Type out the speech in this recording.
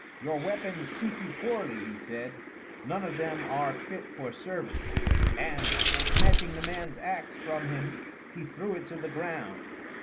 "Your weapons suit you poorly," he said, "none of them are fit for service." And, snatching the man's axe from him he threw it to the ground.